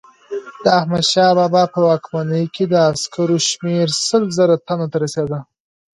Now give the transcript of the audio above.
د احمدشاه بابا په واکمنۍ کې د عسکرو شمیر سل زره تنو ته رسېده.